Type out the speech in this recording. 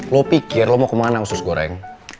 lo pikir lo mau kemana sama sus goreng